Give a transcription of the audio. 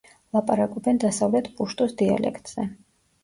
ლაპარაკობენ დასავლეთ პუშტუს დიალექტზე.